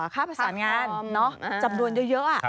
ค่าผสานงานจำนวนเยอะค่ะ